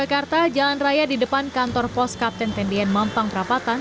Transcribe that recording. di jakarta jalan raya di depan kantor pos kapten tendian mampang perapatan